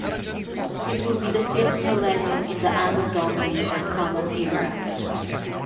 It will be the fifth millennium in the Anno Domini or Common Era.